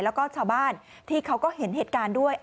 แล้วก็ชาวบ้านที่เขาก็เห็นเหตุการณ์ด้วย